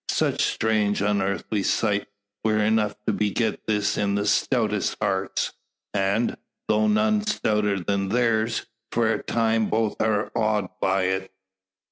Such strange unearthly sight were enough to beget this in the stoutest hearts; and, though none stouter than theirs, for a time both are awed by it.